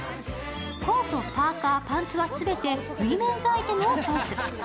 コート、パーカ、パンツは全てウイメンズアイテムをチョイス。